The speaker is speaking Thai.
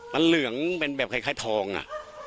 มันเหลืองเป็นแบบคล้ายทองอ่ะ